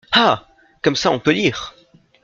Ah ! comme ça, on peut lire !